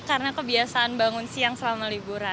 karena kebiasaan bangun siang selama liburan